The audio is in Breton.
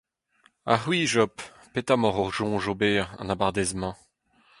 Ha c’hwi, Job, petra emaoc’h o soñj ober, an abardaez-mañ ?